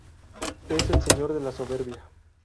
Es el señor de la Soberbia.